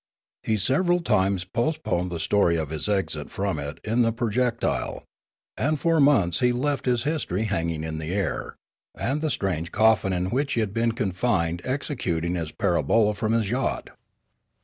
He several times post poned the story of his exit from it in the projectile. And for months he left his history hangimj in air, and the strange coffin in which he had been confined exe cuting its parabola from his yacht.